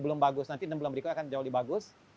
belum bagus nanti enam bulan berikutnya akan jauh lebih bagus